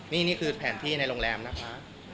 นี่คือแผนที่ในโรงแรมนะคะ